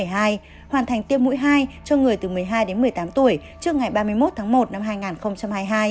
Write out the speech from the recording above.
hoàn thành tiêm mũi hai cho người từ một mươi hai đến một mươi tám tuổi trước ngày ba mươi một tháng một năm hai nghìn hai mươi hai